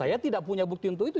saya tidak punya bukti untuk itu